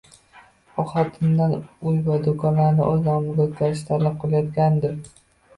U xotinidan uy va do`konlarni o`z nomiga o`tkazishni talab qilayotgandi